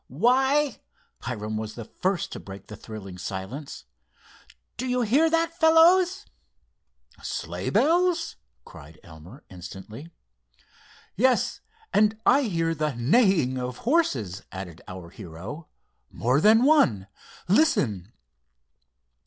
"Why," Hiram was the first to break the thrilling silence, "do you hear that, fellows?" "Sleigh bells!" cried Elmer, instantly. "Yes, and I hear the neighing of horses," added our hero. "More than one. Listen!"